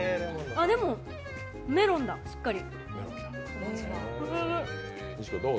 でも、メロンだ、しっかり。